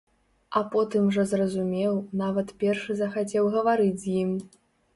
А потым жа зразумеў, нават першы захацеў гаварыць з ім.